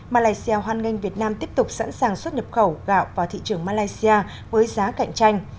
malaysia hoan nghênh việt nam tiếp tục sẵn sàng xuất nhập khẩu gạo vào thị trường malaysia với giá cạnh tranh